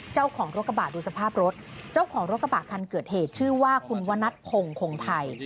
เจ้าของรถกระบะดูสภาพรถเจ้าของรถกระบะคันเกิดเหตุชื่อว่าคุณวนัทคงคงไทย